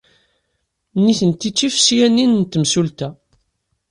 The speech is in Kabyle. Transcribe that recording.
Nitenti d tifesyanin n temsulta.